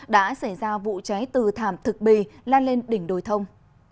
đã xảy ra vụ cháy từ thảm thực bì lan lên đỉnh đồi thông